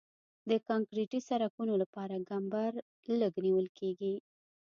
د کانکریټي سرکونو لپاره کمبر لږ نیول کیږي